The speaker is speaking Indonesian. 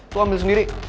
tuh ambil sendiri